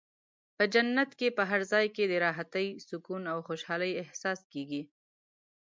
په جنت کې په هر ځای کې د راحتۍ، سکون او خوشحالۍ احساس کېږي.